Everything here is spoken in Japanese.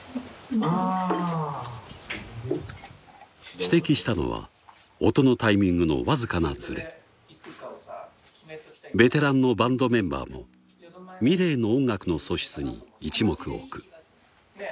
指摘したのは音のタイミングのわずかなずれベテランのバンドメンバーもｍｉｌｅｔの音楽の素質に一目置く